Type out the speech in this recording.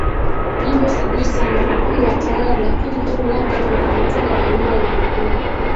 nyimbo Sijui sana upande wa taarabu lakini hebu labda wewe umetunga umeimba Wimbo huu